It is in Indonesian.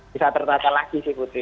bisa tertata lagi sih putri